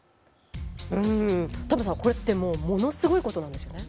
田村さん、これってものすごいことなんですよね。